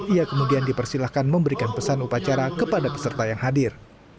ia kemudian dipersilahkan memberikan pesan upacara kepada peserta yang hadir